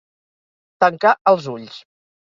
Tancar els ulls.